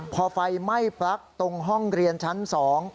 พอไฟไหม้ปลั๊กตรงห้องเรียนชั้นสอง